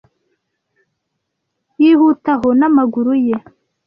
Yihuta aho n'amaguru ye